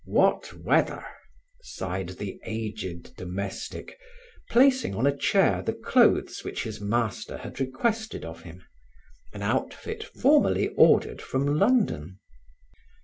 "What weather!" sighed the aged domestic, placing on a chair the clothes which his master had requested of him an outfit formerly ordered from London.